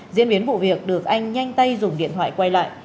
diễn biến vụ việc được anh nhanh tay dùng điện thoại quay lại